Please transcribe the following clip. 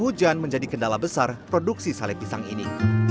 hujan menjadi kendala besar produksi sale pisang ini